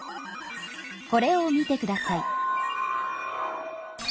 これを見てください。